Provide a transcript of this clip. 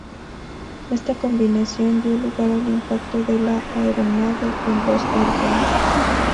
Esta combinación dio lugar al impacto de la aeronave con los árboles.